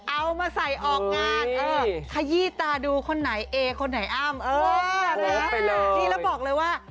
เอามาใส่ออกงานขยี้ตาดูคนไหนเอ๋คนไหนอ้ำ